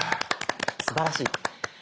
すばらしい。